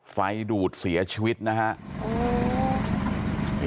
ไฟดูดเสียชีวิตนะครับ